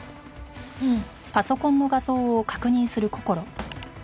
うん。